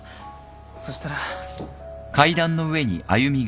そしたら。